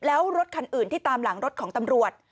แล้วรถคันอื่นที่ตามหลังรถของตำรวจ